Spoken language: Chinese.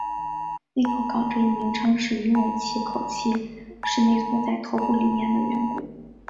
内口纲这一名称是因为其口器是内缩在头部里面的缘故。